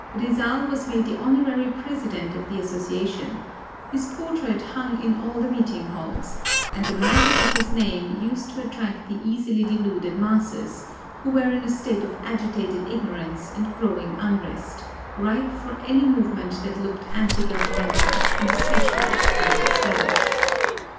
Rizal was made the honorary president of the association, his portrait hung in all the meeting halls, and the magic of his name used to attract the easily deluded masses, who were in a state of agitated ignorance and growing unrest, ripe for any movement that looked anti governmental, and especially anti Spanish.